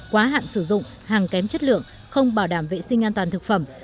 quá hạn sử dụng hàng kém chất lượng không bảo đảm vệ sinh an toàn thực phẩm